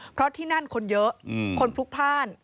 เพราะที่นั่นคนเยอะคนพลุกพลาด